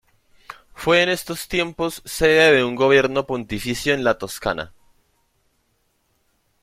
Fue en estos tiempos sede de un gobierno pontificio en la Toscana.